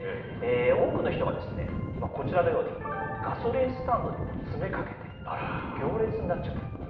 多くの人がこちらのように、ガソリンスタンドに詰めかけて、行列になっちゃった。